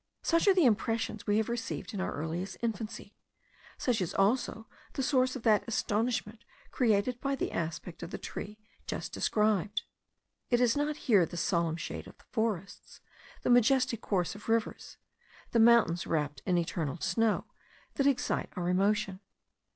Such are the impressions we have received in our earliest infancy: such is also the source of that astonishment created by the aspect of the tree just described. It is not here the solemn shades of forests, the majestic course of rivers, the mountains wrapped in eternal snow, that excite our emotion.